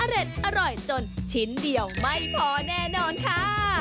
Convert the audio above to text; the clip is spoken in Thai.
อร่อยจนชิ้นเดียวไม่พอแน่นอนค่ะ